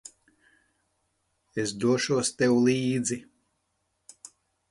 Es došos tev līdzi.